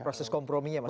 proses kompromi ya mas budi